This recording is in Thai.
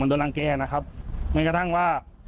โดนรังแก่นะครับแม้กระทั่งว่า